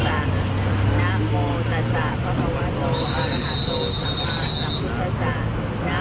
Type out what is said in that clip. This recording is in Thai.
ข้าแท่สิ่งศักดิ์สิทธิ์ทั้งหลาย